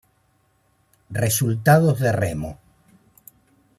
Resultados de remo